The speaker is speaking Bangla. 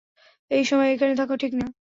এই সময় এখানে থাকা ঠিক না।